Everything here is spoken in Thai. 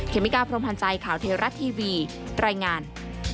เมกาพรมพันธ์ใจข่าวเทวรัฐทีวีรายงาน